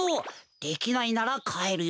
できないならかえるよ。